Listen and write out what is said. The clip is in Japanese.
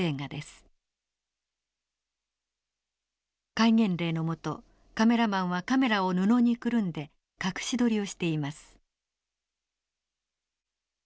戒厳令のもとカメラマンはカメラを布にくるんで隠し撮りをしています。